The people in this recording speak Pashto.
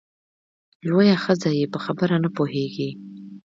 لویه ښځه یې په خبره نه پوهېږې !